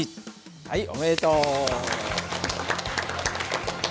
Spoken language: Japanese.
はいおめでとう。